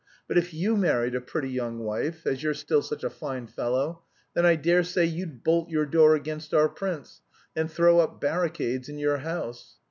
But if you married a pretty young wife as you're still such a fine fellow then I dare say you'd bolt your door against our prince, and throw up barricades in your house!